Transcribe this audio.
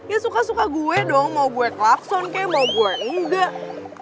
ya suka suka gue dong mau gue kelakson kayaknya mau gue enggak